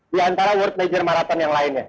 di antara world nature marathon yang lainnya